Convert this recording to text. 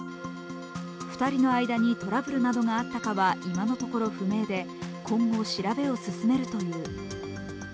２人の間にトラブルなどがあったかは今のところ不明で今後、調べを進めるという。